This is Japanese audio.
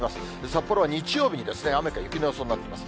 札幌は日曜日に雨か雪の予想になってます。